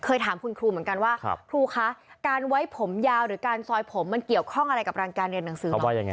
ถามคุณครูเหมือนกันว่าครูคะการไว้ผมยาวหรือการซอยผมมันเกี่ยวข้องอะไรกับรังการเรียนหนังสือไหม